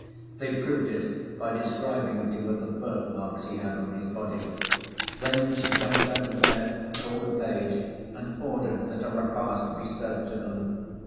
They proved it by describing to her the birthmarks he had on his body. Then she jumped out of bed, called a page, and ordered that a repast be served to them.